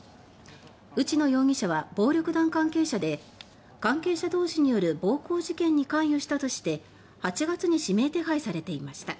内野容疑者は暴力団関係者で関係者同士による暴行事件に関与したとして８月に指名手配されていました。